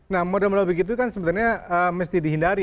nah modal modal begitu kan sebenarnya mesti dihindari